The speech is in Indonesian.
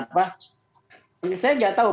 saya tidak tahu